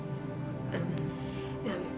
saat yang andai